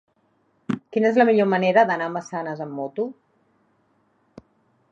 Quina és la millor manera d'anar a Massanes amb moto?